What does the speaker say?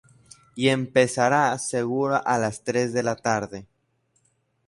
Y empezará seguro a las tres de la tarde".